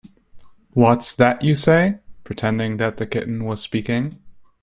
‘What’s that you say?’ - pretending that the kitten was speaking.